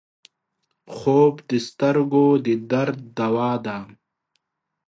خوب د سترګو د درد دوا ده